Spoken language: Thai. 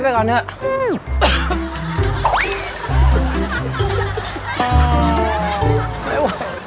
ไม่ไหว